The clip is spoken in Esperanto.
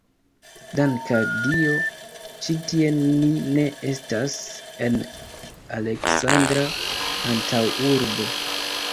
Dank' al Dio, ĉi tie ni ne estas en Aleksandra antaŭurbo!